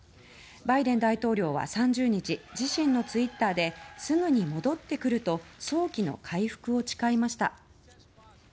バイデン大統領は３０日自身のツイッターですぐに戻ってくると早期の回復を誓いました。